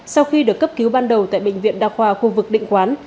sau khi được cấp cứu ban đầu tại bệnh viện đa khoa khu vực định quán